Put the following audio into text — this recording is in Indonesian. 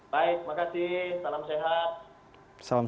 baik makasih salam sehat